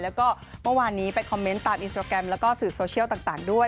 แล้วก็เมื่อวานนี้ไปคอมเมนต์ตามอินสตราแกรมแล้วก็สื่อโซเชียลต่างด้วย